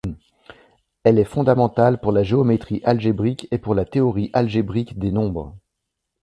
Elle est fondamentale pour la géométrie algébrique et pour la théorie algébrique des nombres.